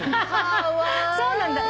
そうなんだ。